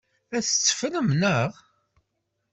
Ad tt-teffrem, naɣ?